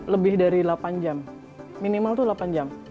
lebih dari delapan jam minimal tuh delapan jam